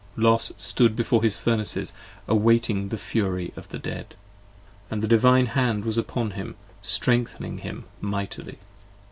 55 Los stood before his Furnaces awaiting the fury of the Dead; And the Divine hand was upon him, strengthening him mightily.